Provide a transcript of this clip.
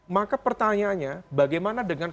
maka pertanyaannya bagaimana dengan